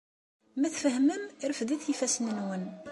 Ma tfehmem, refdet ifassen-nwen.